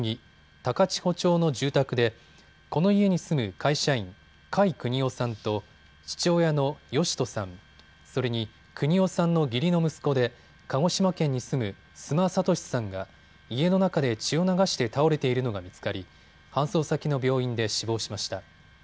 高千穂町の住宅でこの家に住む会社員、甲斐邦雄さんと父親の義人さん、それに邦雄さんの義理の息子で鹿児島県に住む、須磨俊さんが家の中で血を流して倒れているのが見つかり搬送先の病院で死亡しました。